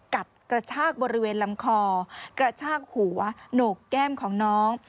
กระชากบริเวณลำคอกระชากหัวโหนกแก้มของน้อง